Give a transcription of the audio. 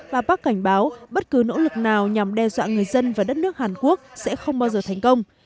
và park cảnh báo bất cứ nỗ lực nào nhằm đe dọa người dân và đất nước hàn quốc sẽ không bao giờ thành công